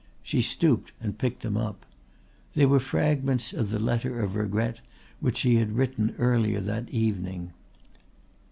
She stooped and picked them up. They were fragments of the letter of regret which she had written earlier that evening.